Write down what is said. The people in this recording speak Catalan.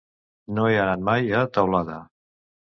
No he anat mai a Teulada.